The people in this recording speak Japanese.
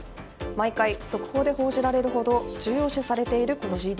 毎回、速報で報じられるほど重要視されているＧＤＰ。